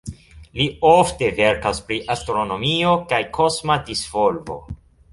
Li ofte verkas pri astronomio kaj kosma disvolvo.